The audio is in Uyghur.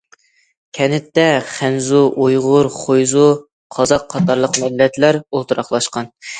كەنتتە خەنزۇ، ئۇيغۇر، خۇيزۇ، قازاق قاتارلىق مىللەتلەر ئولتۇراقلاشقان.